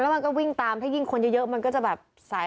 มันก็วิ่งตามถ้ายิ่งคนเยอะมันก็จะแบบสาย